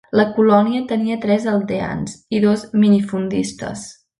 La colònia tenia tres aldeans i dos minifundistes.